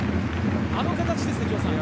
あの形ですね。